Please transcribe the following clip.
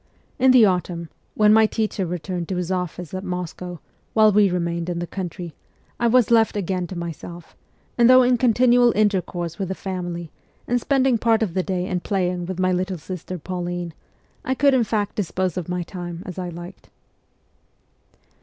In the autumn, when my teacher returned to his office at Moscow, while we remained in the country, I was left again to myself, and though in continual intercourse with the family, and spending part of the day in playing with my little sister Pauline, I could in fact dispose of my time as I liked.